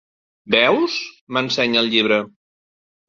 Veus? —m'ensenya el llibre—.